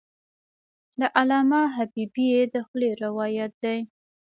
د علامه حبیبي د خولې روایت دی.